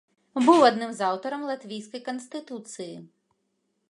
Быў адным з аўтараў латвійскай канстытуцыі.